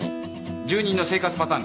住人の生活パターン。